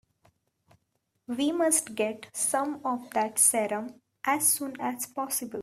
We must get some of that serum as soon as possible.